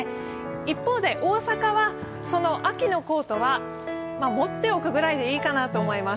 一方で大阪は、秋のコートは持っておくぐらいでいいかなと思います。